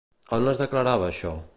On es declarava això?